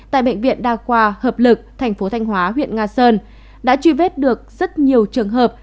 tại bệnh viện đa khoa hợp lực thành phố thanh hóa huyện nga sơn đã truy vết được rất nhiều trường hợp